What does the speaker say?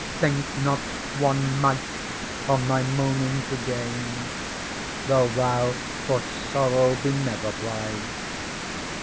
Think not one mite from thy moaning to gain. Though thou for sorrow be never blithe.